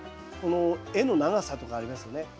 この絵の長さとかありますよね。